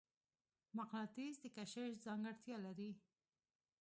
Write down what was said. مقناطیس د کشش ځانګړتیا لري.